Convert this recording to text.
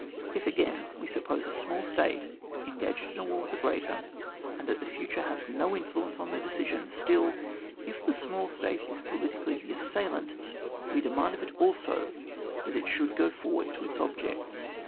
If, again, W9 suppose a small State engaged in war with a greater, and that the future has no influence on their de cisions, still, if the smaU State is politi cally the assailant, we demand of it also that it should go forward to its object.